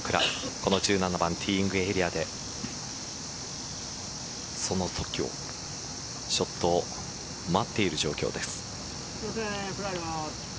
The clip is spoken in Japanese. この１７番ティーイングエリアでそのときをショットを待っている状況です。